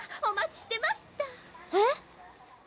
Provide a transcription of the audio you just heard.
お待ちしてましたえ？